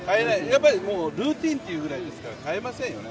ルーティンというくらいですから変えないですね。